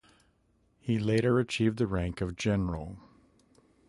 He later achieved the rank of General.